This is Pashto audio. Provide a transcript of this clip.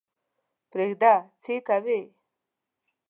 پرېږده څه یې کوې.